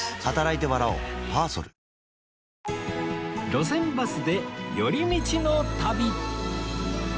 『路線バスで寄り道の旅』